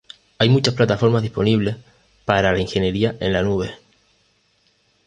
Hay muchas plataformas disponibles para la ingeniería en la nube.